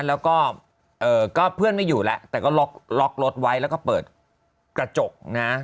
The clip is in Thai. แล้วก็เพื่อนไม่อยู่แล้วแต่ก็ล็อกรถไว้แล้วก็เปิดกระจกนะ